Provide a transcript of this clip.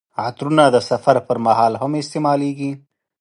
عطرونه د سفر پر مهال هم استعمالیږي.